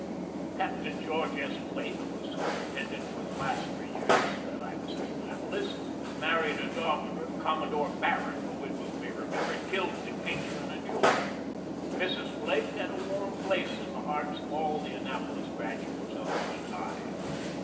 20 GEORGE DEWEY Captain George S. Blake, who was superintend ent for the last three years that I was at Annapolis, married a daughter of Commodore Barron, who, it will be remembered, killed Decatur in a duel. Mrs. Blake had a warm place in the hearts of all the An napolis graduates of my time.